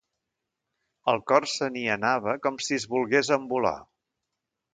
El cor se n'hi anava com si es volgués envolar